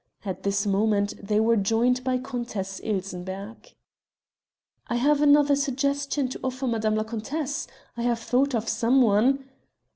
At this moment they were joined by Countess Ilsenbergh. "I have another suggestion to offer Madame la Comtesse; I have thought of some one...."